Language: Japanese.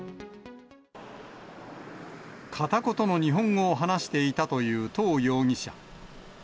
片言の日本語を話していたという唐容疑者。